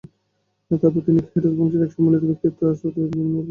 তারপর তিনি খাযরাজ বংশের এক সম্মানিত ব্যক্তিত্ব আসআদ ইবনে যুরারার নিকট অবস্থান করলেন।